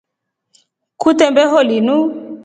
Kutembeho linu.